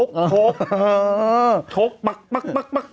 โชคโชคโชคปั๊กปั๊กปั๊กปั๊ก